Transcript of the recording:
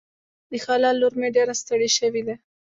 د خاله لور مې ډېره ستړې شوې ده.